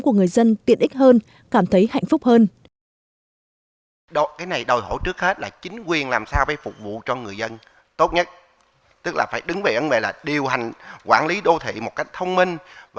của người dân tiện ích hơn cảm thấy hạnh phúc hơn